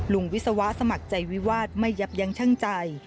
วิศวะสมัครใจวิวาสไม่ยับยั้งชั่งใจ